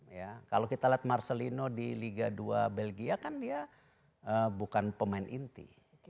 ya kalau kita lihat marcelino di liga dua belgia kan dia bukan pemain inti